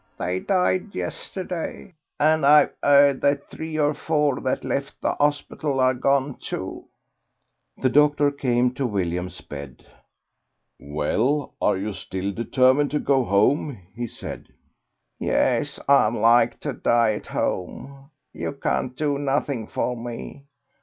They died yesterday, and I've 'eard that three or four that left the hospital are gone, too." The doctor came to William's bed. "Well, are you still determined to go home?" he said. "Yes; I'd like to die at home. You can't do nothing for me....